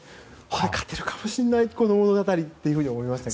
勝てるかもしれないこの物語って思いましたね。